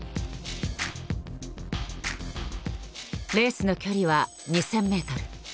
レースの距離は２，０００ｍ。